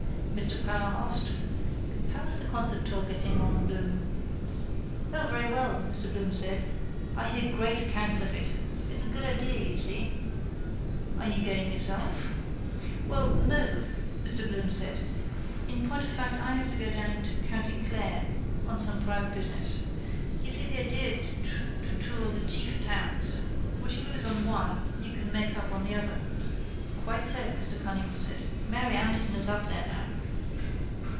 Mr Power asked: —How is the concert tour getting on, Bloom? —O, very well, Mr Bloom said. I hear great accounts of it. It's a good idea, you see... —Are you going yourself? —Well no, Mr Bloom said. In point of fact I have to go down to the county Clare on some private business. You see the idea is to tour the chief towns. What you lose on one you can make up on the other. —Quite so, Martin Cunningham said. Mary Anderson is up there now.